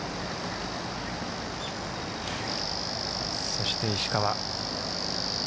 そして石川。